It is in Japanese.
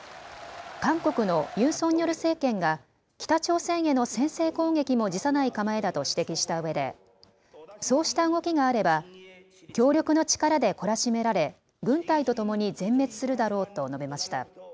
韓国のユン・ソンニョル政権が、北朝鮮への先制攻撃も辞さない構えだと指摘したうえで、そうした動きがあれば、強力な力で懲らしめられ、軍隊と共に全滅するだろうと述べました。